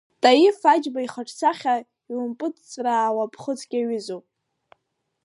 Таиф Аџьба ихаҿсахьа иумпыҵҵәраауа ԥхыӡк иаҩызоуп.